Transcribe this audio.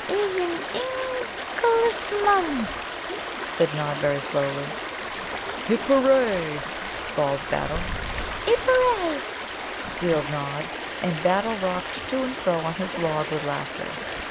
'" "'Izziningulissmum,'" said Nod very slowly. "'Hip, hooray!'" bawled Battle. "'Ippooray!" squealed Nod. And Battle rocked to and fro on his log with laughter.